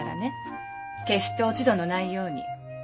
決して落ち度のないように。